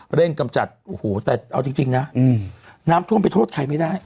เร่งกำจัดโอ้โหแต่เอาจริงนะน้ำท่วมไปโทษใครไม่ได้